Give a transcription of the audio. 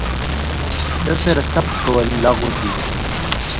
پسه د یوه کلیوالي ژوند برخه ده.